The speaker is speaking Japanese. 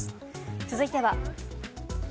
続いては。